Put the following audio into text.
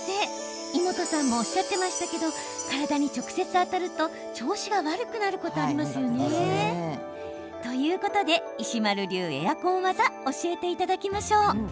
イモトさんもおっしゃっていましたけど体に直接当たると調子悪くなることありますよね。ということで石丸流エアコン技教えていただきましょう。